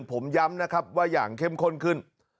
ผมย้ำนะครับว่าอย่างเข้มข้นขึ้น